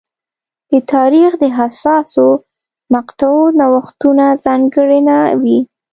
د تاریخ د حساسو مقطعو نوښتونه ځانګړنه وې.